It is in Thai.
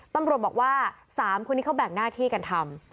ตำรวจบอกว่า๓คนนี้เขาแบ่งหน้าที่กันทำ